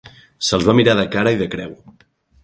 Se'ls va mirar de cara i de creu